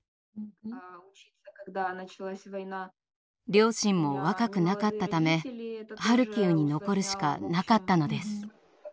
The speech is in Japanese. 両親も若くなかったためハルキウに残るしかなかったのです。